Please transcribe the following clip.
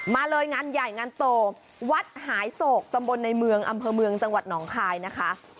มาเลยงานใหญ่งานโตวัดหายโศกตำบลในเมืองอำเภอเมืองจังหวัดหนองคายนะคะ